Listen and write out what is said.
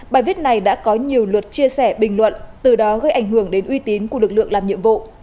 bài viết này đã có nhiều luật chia sẻ bình luận từ đó gây ảnh hưởng đến uy tín của lực lượng làm nhiệm vụ